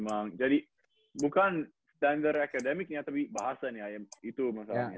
emang jadi bukan standar akademiknya tapi bahasanya ya itu masalahnya